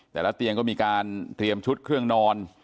แต่ละเตียงก็มีการเตรียมชุดเครื่องนอน